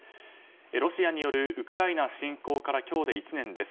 ロシアによるウクライナ侵攻から今日で１年です。